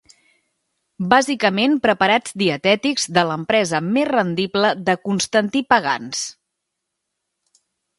Bàsicament preparats dietètics de l'empresa més rendible de Constantí Pagans.